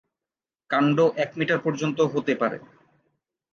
কাণ্ড এক মিটার পর্যন্ত হতে পারে।